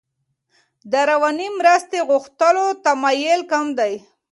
د رواني مرستې غوښتلو تمایل کم دی.